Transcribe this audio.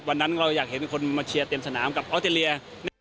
วันนั้นเราอยากเห็นคนมาเชียร์เต็มสนามกับออสเตรเลีย